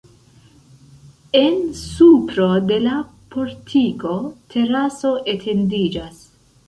En supro de la portiko teraso etendiĝas.